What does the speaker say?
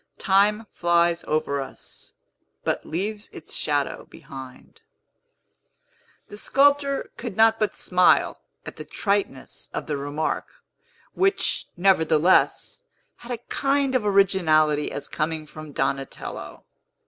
Time flies over us, but leaves its shadow behind." The sculptor could not but smile at the triteness of the remark, which, nevertheless, had a kind of originality as coming from Donatello.